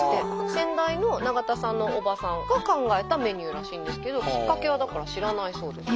先代の永田さんの叔母さんが考えたメニューらしいんですけどきっかけはだから知らないそうです。